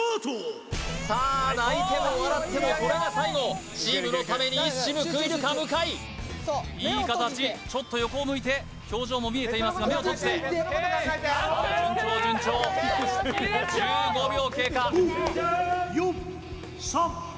さあ泣いても笑ってもこれが最後チームのために一矢報いるか向いい形ちょっと横を向いて表情も見えていますが目を閉じてさあ順調順調１５秒経過さあ